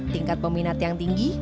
tingkat peminat yang tinggi